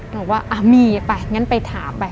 บอกว่ามีไปงั้นไปถามไป